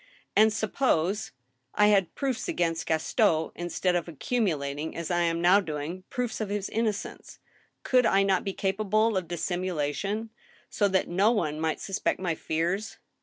And suppose I had proofs against Gaston instead of accumulating, as I am now doing, proofs of his innocence, could I not be capable of dissimulation, so that no one might suspect my fears?